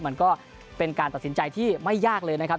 มันก็เป็นการตัดสินใจที่ไม่ยากเลยนะครับ